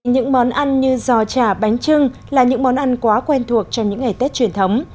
những món ăn như giò chả bánh trưng là những món ăn quá quen thuộc trong những ngày tết truyền thống